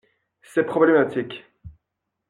C’est problématique.